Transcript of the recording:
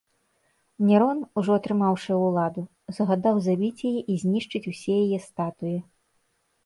Нерон, ужо атрымаўшы ўладу, загадаў забіць яе і знішчыць усе яе статуі.